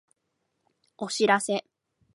お知らせ